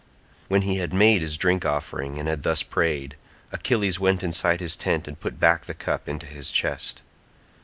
When he had made his drink offering and had thus prayed, Achilles went inside his tent and put back the cup into his chest.